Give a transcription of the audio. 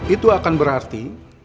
itu akan berarti